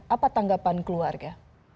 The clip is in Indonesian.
apa tanggapan keluarga